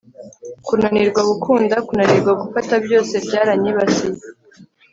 kunanirwa gukunda, kunanirwa gufata byose byaranyibasiye